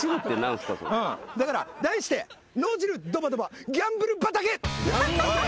だから題して脳汁ドバドバギャンブル畑！